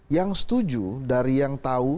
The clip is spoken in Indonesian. yang setuju dari yang tahu